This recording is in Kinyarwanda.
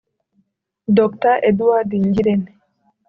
Dr Edouard Ngirente